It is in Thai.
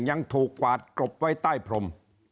ยังถูกกวาดกรบไว้ใต้พรม